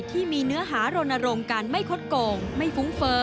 ที่มีเนื้อหารณรงค์การไม่คดโกงไม่ฟุ้งเฟ้อ